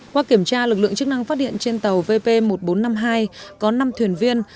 qua kiểm tra lực lượng chức năng phát hiện trên tàu vp một nghìn bốn trăm năm mươi hai có năm thuyền viên